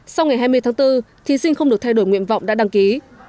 sau ngày hai mươi tháng bốn thí sinh không được thay đổi nguyện vọng đã đăng ký